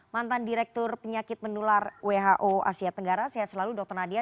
mantan direktur penyakit menular who asia tenggara sehat selalu dr nadia